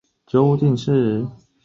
日本昭和天皇宣布终战诏书。